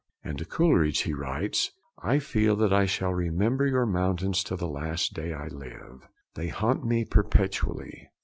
And to Coleridge he writes: 'I feel that I shall remember your mountains to the last day I live. They haunt me perpetually.'